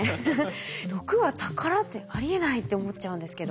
毒は宝ってありえないって思っちゃうんですけど。